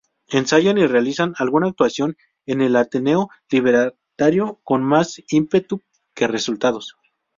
Ensayan y realizan alguna actuación en el Ateneo Libertario, con más ímpetu que resultados.